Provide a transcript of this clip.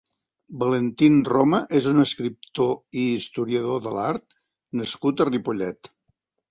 Valentín Roma és un escriptor i historiador de l'art nascut a Ripollet.